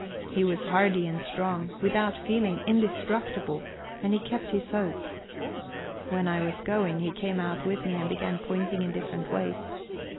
He was hardy and strong; without feeling, indestructible; and he kept his hope. When I was going, he came out with me, and began pointing in different ways.